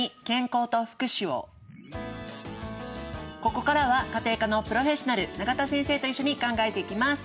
ここからは家庭科のプロフェッショナル永田先生と一緒に考えていきます。